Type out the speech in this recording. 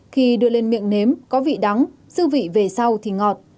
khi đưa lên miệng nếm có vị đắng sư vị về sau thì ngọt